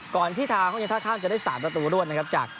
ก่อนที่ทางห้องยนต์ท่าข้ามจะได้๓ประตูด้วยนะครับจาก